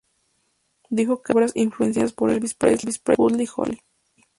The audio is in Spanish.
Dijo que dos de sus otras influencias son Elvis Presley y Buddy Holly.